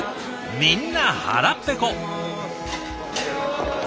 みんな腹ぺこ！